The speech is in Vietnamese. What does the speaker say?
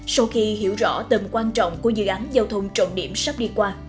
sau khi hiểu rõ tầm quan trọng của dự án giao thông trọng điểm sắp đi qua